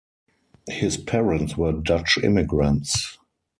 His parents were Dutch immigrants.